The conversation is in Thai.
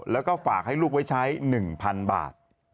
แล้วก็ฝากให้ลูกไว้ใช้๑๐๐๐บาท